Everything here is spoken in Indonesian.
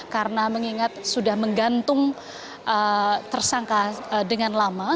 karena mengingat sudah menggantung tersangka dengan lama